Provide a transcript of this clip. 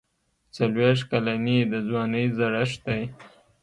څلوېښت کلني د ځوانۍ زړښت دی.